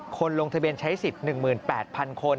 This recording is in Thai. ลงทะเบียนใช้สิทธิ์๑๘๐๐๐คน